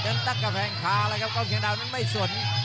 นั้นตักกระแพงคาแล้วครับกล้องเชียงดาวน์นั้นไม่สน